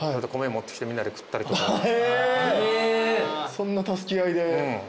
そんな助け合いで。